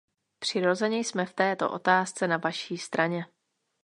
Přirozeně jsme v této otázce na vaší straně.